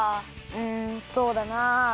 うんそうだな。